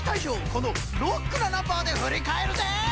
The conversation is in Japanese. このロックなナンバーでふりかえるぜ！